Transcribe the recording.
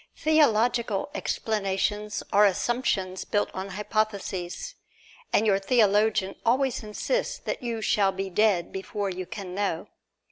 Theological explanations are assumptions built upon hypotheses, and your theologian always insists that you shall be dead before you can know.